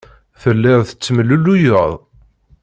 Telliḍ tettemlelluyeḍ.